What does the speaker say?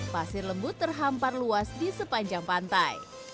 pasir lembut terhampar luas di sepanjang pantai